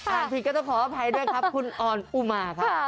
อาทิตย์ก็ต้องขออภัยด้วยครับคุณออนุมาร์ค่ะ